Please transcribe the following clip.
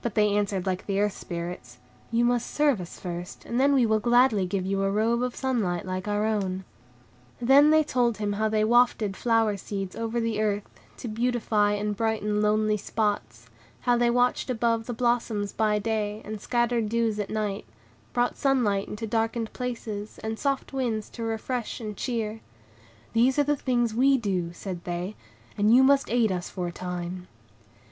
But they answered like the Earth Spirits. "You must serve us first, and then we will gladly give you a robe of sunlight like our own." And then they told him how they wafted flower seeds over the earth, to beautify and brighten lonely spots; how they watched above the blossoms by day, and scattered dews at night, brought sunlight into darkened places, and soft winds to refresh and cheer. "These are the things we do," said they, "and you must aid us for a time."